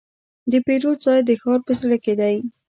د پیرود ځای د ښار په زړه کې دی.